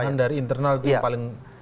pandangan dari internal itu yang paling